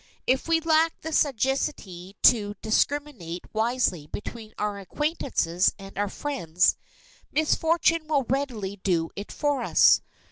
If we lack the sagacity to discriminate wisely between our acquaintances and our friends, misfortune will readily do it for us.